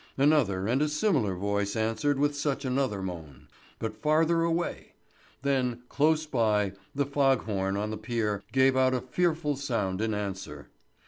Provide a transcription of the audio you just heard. Another and a similar voice answered with such another moan, but farther away; then, close by, the fog horn on the pier gave out a fearful sound in answer.